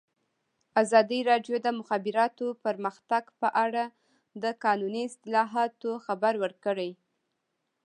ازادي راډیو د د مخابراتو پرمختګ په اړه د قانوني اصلاحاتو خبر ورکړی.